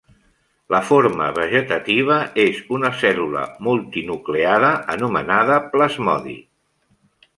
La forma vegetativa és una cèl·lula multinucleada anomenada plasmodi.